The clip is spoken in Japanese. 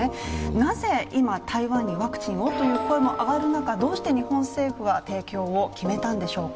なぜ今、台湾にワクチンをという声も上がる中どうして日本政府は提供を決めたんでしょうか。